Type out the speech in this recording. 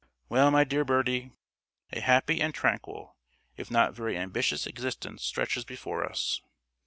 Well, my dear Bertie, a happy and tranquil, if not very ambitious existence stretches before us.